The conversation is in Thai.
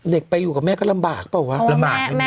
เด็กไปอยู่กับแม่ก็ลำบากเปล่านี่ไหม